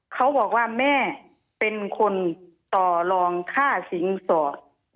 เขาบอกว่าแม่เป็นคนต่อลองค่าสินสอด